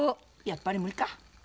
やっぱり無理か。